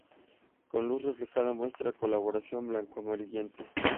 Con luz reflejada muestra coloración blanco amarillenta.